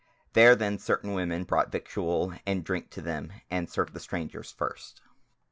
There then certain women brought victual and drink to them, and served the strangers first.